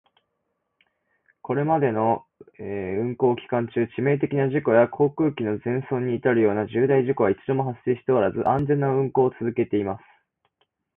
これまでの運航期間中、致命的な事故や航空機の全損に至るような重大事故は一度も発生しておらず、安全な運航を続けています。